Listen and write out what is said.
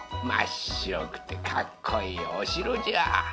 まっしろくてかっこいいおしろじゃ。